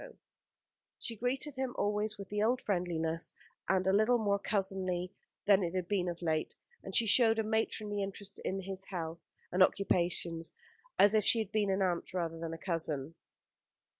She greeted him always with the old friendliness a little more cousinly than it had been of late; and she showed a matronly interest in his health and occupations, as if she had been an aunt rather than a cousin.